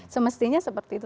semestinya seperti itu